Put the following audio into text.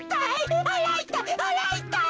あらいたい！